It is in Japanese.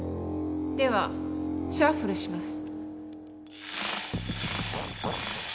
ではシャッフルします。